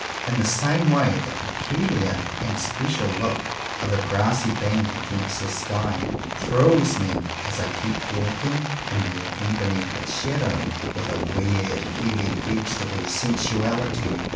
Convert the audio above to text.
In the same way the peculiar and special look of a grassy bank against the sky thrills me, as I keep walking and walking beneath its shadow, with a weird, heavy vegetable sensuality.